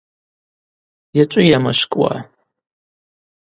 Йачӏвыйа йамашвкӏуа?